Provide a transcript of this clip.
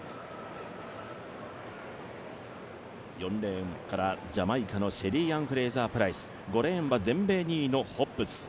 ４レーンからジャマイカのシェリーアン・フレイザー・プライス、５レーンは全米２位のホブス。